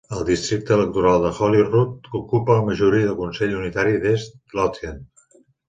El districte electoral de Holyrood ocupa la majoria del consell unitari d'East Lothian.